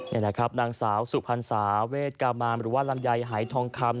นี่แหละครับนางสาวสุพรรษาเวทกามามหรือว่าลำไยหายทองคำ